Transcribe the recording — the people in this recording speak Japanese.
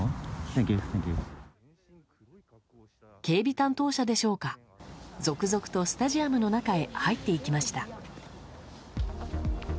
警備担当者でしょうか続々とスタジアムの中へ入っていきました。